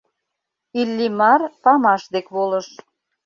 Иллимар памаш дек волыш.